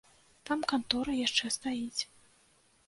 Там кантора яшчэ стаіць.